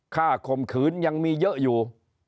ข่มขืนยังมีเยอะอยู่